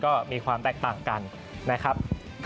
ก็มีความแตกต่างกันนะครับ